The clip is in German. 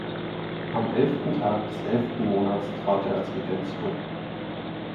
Am elften Tag des elften Monats trat er als Regent zurück.